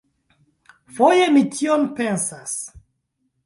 Foje mi tion pensas.